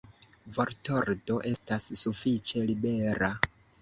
Vortordo estas sufiĉe libera.